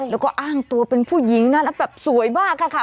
แล้วก็อ้างตัวเป็นผู้หญิงนะแล้วแบบสวยมากอะค่ะ